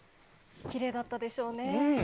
きれいだったでしょうね。